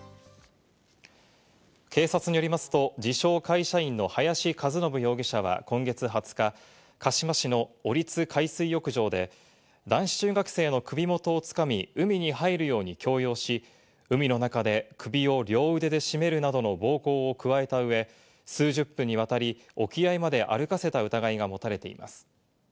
警察によりますと、自称・会社員の林和伸容疑者は、今月２０日、鹿嶋市の下津海水浴場で男子中学生の首元をつかみ、海に入るように強要し、海の中で首を両腕で絞めるなどの暴行を加えたうえ、数十分にわたり沖合まで歩かせた疑いが持たれています。